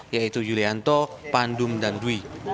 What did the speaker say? yaitu yulianto pandum dan dwi